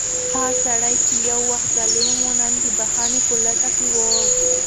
هغه سړی چې یو وخت ظالم و، نن د بښنې په لټه کې و.